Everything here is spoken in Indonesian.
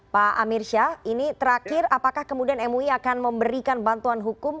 pak amir syah ini terakhir apakah kemudian mui akan memberikan bantuan hukum